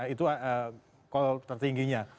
itu kalau tertingginya